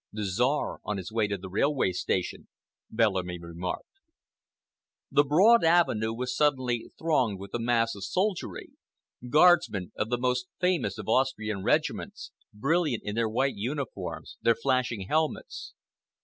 "The Czar on his way to the railway station," Bellamy remarked. The broad avenue was suddenly thronged with a mass of soldiery—guardsmen of the most famous of Austrian regiments, brilliant in their white uniforms, their flashing helmets.